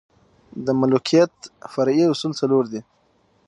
د ملوکیت فرعي اصول څلور دي.